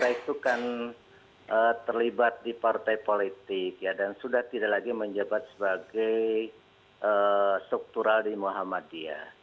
saya itu kan terlibat di partai politik dan sudah tidak lagi menjabat sebagai struktural di muhammadiyah